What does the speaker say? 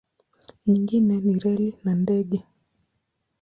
Nyingine ni reli na ndege.